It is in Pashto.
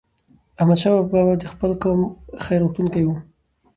احمدشاه بابا به د خپل قوم خیرغوښتونکی و.